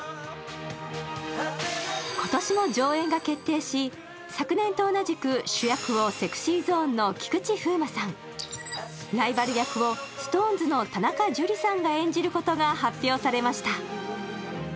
今年も上演が決定し、昨年と同じく主役をＳｅｘｙＺｏｎｅの菊池風磨さんライバル役をＳｉｘＴＯＮＥＳの田中樹さんが演じることが発表されました。